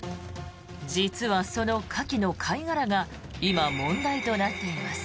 実は、そのカキの貝殻が今、問題となっています。